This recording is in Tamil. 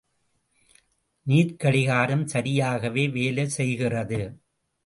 நீர்க்கடிகாரம் சரியாகவே வேலை செய்கிறது.